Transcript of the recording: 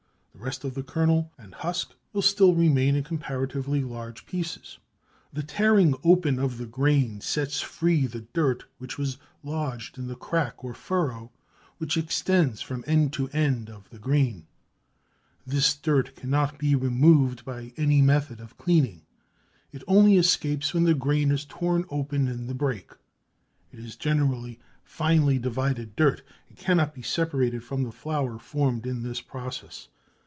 The rest of the kernel and husk will still remain in comparatively large pieces. The tearing open of the grain sets free the dirt which was lodged in the crack or furrow which extends from end to end of the grain. This dirt cannot be removed by any method of cleaning. It only escapes when the grain is torn open in the break. It is generally finely divided dirt and cannot be separated from the flour formed in this process.